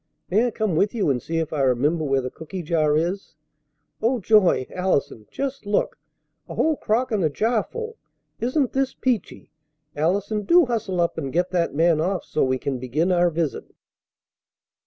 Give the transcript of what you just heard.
May I come with you and see if I remember where the cooky jar is? Oh, joy, Allison! Just look! A whole crock and a platter full! Isn't this peachy? Allison, do hustle up and get that man off so we can begin our visit!"